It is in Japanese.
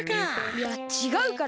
いやちがうから。